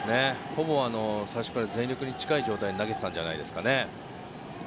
最初から全力に近い状態で投げていたんじゃないですかね。